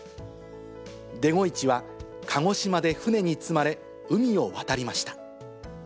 デゴイチは、鹿児島で船に積まれ、海を渡りました。